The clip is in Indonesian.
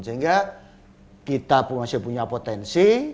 sehingga kita masih punya potensi